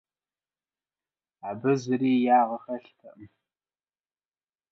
Ее не в чем было упрекнуть.